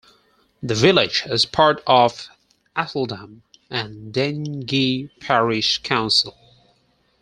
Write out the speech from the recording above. The village is part of Asheldham and Dengie Parish Council.